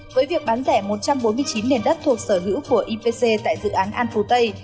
với việc bán lẻ một trăm bốn mươi chín nền đất thuộc sở hữu của ipc tại dự án an phú tây